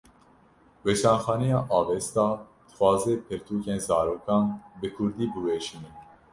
Weşanxaneya Avesta, dixwaze pirtûkên zarokan bi Kurdî biweşîne